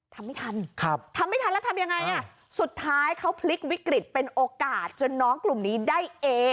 ทำไม่ทันทำไม่ทันแล้วทำยังไงอ่ะสุดท้ายเขาพลิกวิกฤตเป็นโอกาสจนน้องกลุ่มนี้ได้เอ